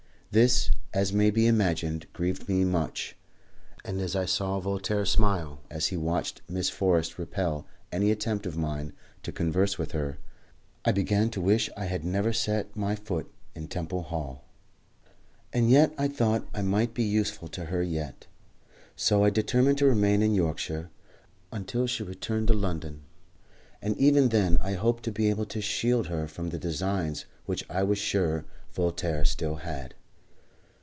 This, as may be imagined, grieved me much; and when I saw Voltaire's smile as he watched Miss Forrest repel any attempt of mine to converse with her, I began to wish I had never set my foot in Temple Hall. And yet I thought I might be useful to her yet. So I determined to remain in Yorkshire until she returned to London, and even then I hoped to be able to shield her from the designs which I was sure Voltaire still had.